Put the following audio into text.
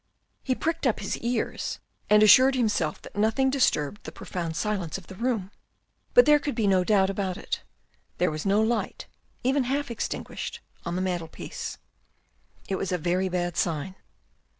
He pricked up his ears and assured himself that nothing disturbed the profound silence of the room, but there could be no doubt about it, there was no light, even half extinguished, on the mantelpiece. It was a very bad sign.